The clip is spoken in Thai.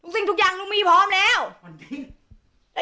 ทุกสิ่งทุกอย่างหนูมีพร้อมแล้วมันดิ้น